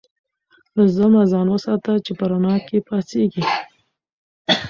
له ظلمه ځان وساته چې په رڼا کې پاڅېږې.